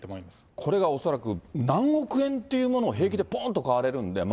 これが恐らく何億円というものを平気でぽんと買われるんで周